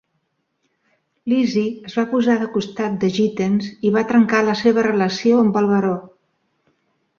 Leese es va posar de costat de Gittens i va trencar la seva relació amb el baró.